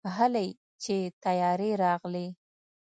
هلئ چې طيارې راغلې.